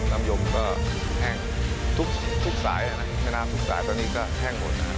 นำยมก็แห้งทุกสายแค่น้ำทุกสายตอนนี้ก็แห้งหมด